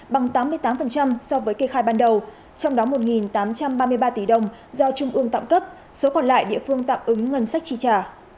bằng tám mươi tám so với kê khai ban đầu trong đó một tám trăm ba mươi ba tỷ đồng do trung ương tạm cấp số còn lại địa phương tạm ứng ngân sách chi trả